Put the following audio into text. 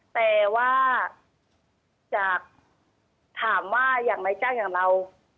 แต่ว่าจากถามว่าอย่างนายจ้างอย่างเรา